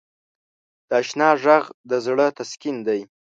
د اشنا ږغ د زړه تسکین دی.